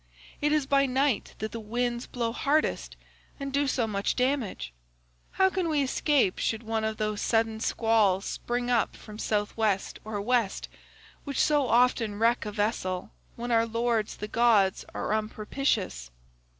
It is by night that the winds blow hardest and do so much damage; how can we escape should one of those sudden squalls spring up from South West or West, which so often wreck a vessel when our lords the gods are unpropitious?